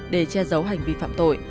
để che giấu hành vi phạm tội